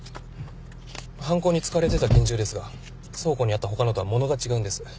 犯行に使われてた拳銃ですが倉庫にあった他のとは物が違うんです。